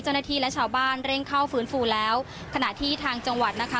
เจ้าหน้าที่และชาวบ้านเร่งเข้าฟื้นฟูแล้วขณะที่ทางจังหวัดนะคะ